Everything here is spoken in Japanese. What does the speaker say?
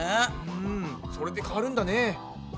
うんそれで変わるんだね。